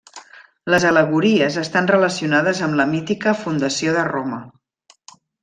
Les al·legories estan relacionades amb la mítica fundació de Roma.